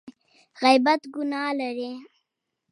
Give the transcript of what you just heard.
غیبت ګناه لري !